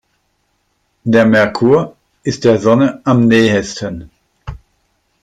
Der Merkur ist der Sonne am nähesten.